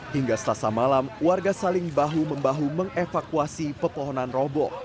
hingga setasa malam warga saling bahu membahu mengevakuasi petohonan roboh